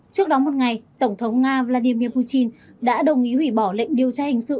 trước đó một ngày tổng thống nga vladimir putin đã đồng ý hủy bỏ lệnh điều tra hình sự